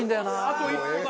あと一歩だ。